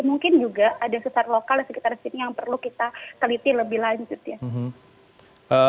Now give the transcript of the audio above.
mungkin juga ada sesar lokal di sekitar sini yang perlu kita teliti lebih lanjut ya